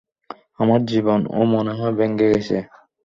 আমার জীবনও মনে হয় ভেঙে গেছে!